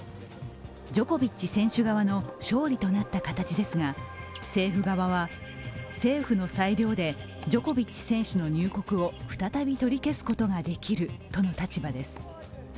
ジョコビッチ選手側の勝利となった形ですが、政府側は、政府の裁量でジョコビッチ選手の入国を再び取り消すことができるとの立場です。